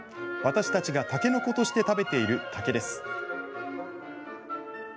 私たちがタケノコとして食べている竹です。